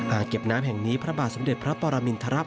อ่างเก็บน้ำแห่งนี้พระบาทเสด็จพระปรมินทรัพย์